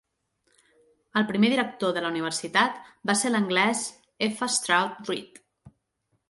El primer director del la universitat va ser l'anglès F. Stroud Read.